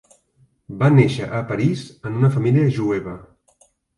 Va néixer a París en una família jueva.